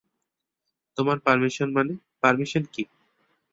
তোমার পারমিশন মানে, পারমিশন কী?